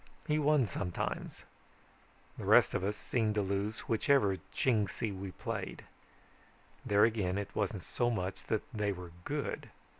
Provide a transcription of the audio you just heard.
He won sometimes. The rest of us seemed to lose whichever Chingsi we played. There again it wasn't so much that they were good.